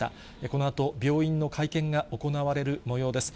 このあと病院の会見が行われるもようです。